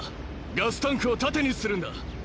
ガスタンクを盾にするんだ。